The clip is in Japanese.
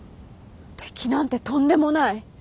敵なんてとんでもない。